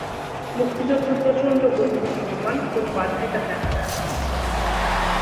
মুক্তিযোদ্ধা প্রচণ্ড গতিতে ধাবমান, কোন বাঁধাই তাকে আটকাতে পারছে না।